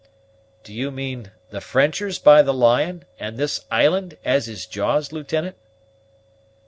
"Do you mean the Frenchers by the lion, and this island as his jaws, Lieutenant?"